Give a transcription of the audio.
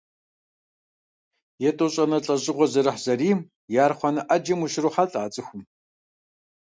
ЕтӀощӀанэ лӀэщӀыгъуэ зэрыхьзэрийм и архъуанэ Ӏэджэм ущрохьэлӀэ а цӀыхум.